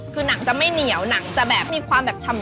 คือหนังจะไม่เหนียวหนังจะแบบมีความแบบฉ่ำ